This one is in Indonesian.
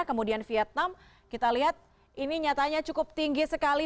kemudian vietnam kita lihat ini nyatanya cukup tinggi sekali